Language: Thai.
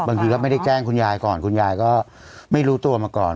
บางทีก็ไม่ได้แจ้งคุณยายก่อนคุณยายก็ไม่รู้ตัวมาก่อน